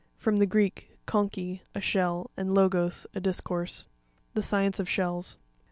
— From the Greek, conche, a shell, and logos, a dis course. The science of shells.